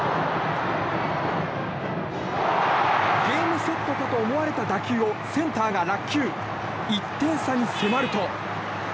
ゲームセットかと思われた打球をセンターが落球１点差に迫ると。